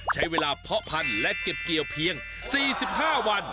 เพาะพันธุ์และเก็บเกี่ยวเพียง๔๕วัน